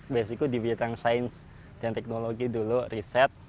basicku di bidang sains dan teknologi dulu riset